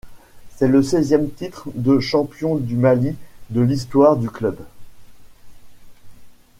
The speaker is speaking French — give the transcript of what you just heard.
C'est le seizième titre de champion du Mali de l'histoire du club.